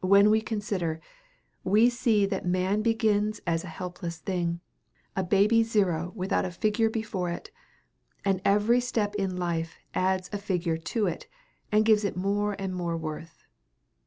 When we consider, we see that man begins as a helpless thing, a baby zero without a figure before it; and every step in life adds a figure to it and gives it more and more worth.